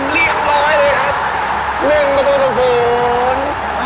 เรียบร้อยเลยครับ๑ประตูศูนย์